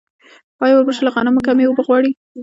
آیا وربشې له غنمو کمې اوبه غواړي؟